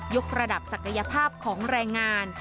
กระดับศักยภาพของแรงงาน